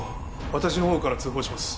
私のほうから通報します。